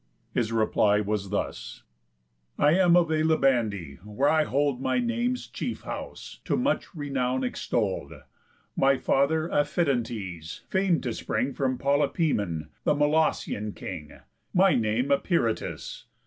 His reply was thus: "I am of Alybandé, where I hold My name's chief house, to much renown extoll'd. My father Aphidantes, fam'd to spring From Polypemon, the Molossian king. My name Eperitus.